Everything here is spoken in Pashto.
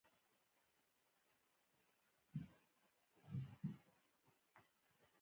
افغانستان په نړیواله کچه د مزارشریف له امله ډیر شهرت لري.